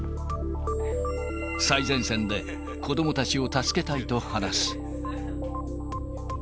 最前線で子どもたちを助けたいと話す。